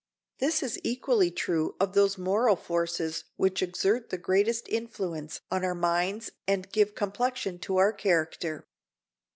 This is equally true of those moral forces which exert the greatest influence on our minds and give complexion to our character.